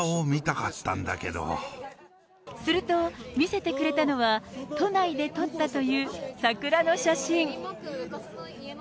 すると、見せてくれたのは、都内で撮ったという桜の写真。